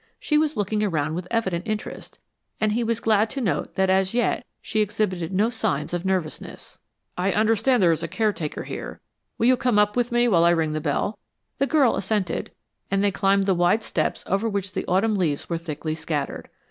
She was looking around with evident interest, and he was glad to note that as yet she exhibited no signs of nervousness. "I understand there is a caretaker here. Will you come up with me while I ring the bell?" The girl assented, and they climbed the wide steps over which the autumn leaves were thickly scattered.